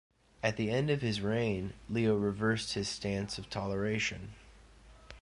At the end of his reign, Leo reversed his stance of toleration.